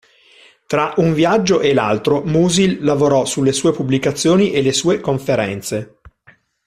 Tra un viaggio e l'altro Musil lavorò sulle sue pubblicazioni e le sue conferenze.